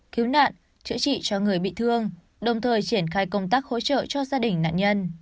cứu nạn chữa trị cho người bị thương đồng thời triển khai công tác hỗ trợ cho gia đình nạn nhân